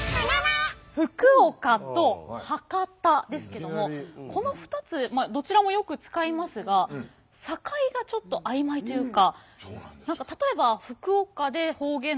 福岡と博多ですけどもこの２つどちらもよく使いますが境がちょっと曖昧というか。